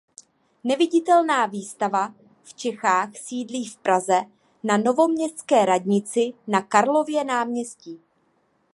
Neviditelná výstava v Čechách sídlí v Praze na Novoměstské radnici na Karlově náměstí.